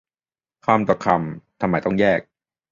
คำต่อคำ ทำไมต้องแยก